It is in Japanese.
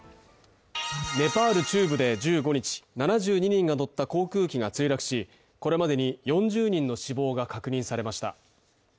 ネパール中部で１５日、７２人が乗った航空機が墜落し、これまでに４０人の死亡が確認されました。